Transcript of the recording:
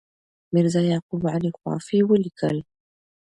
میرزا یعقوب علي خوافي ولیکل.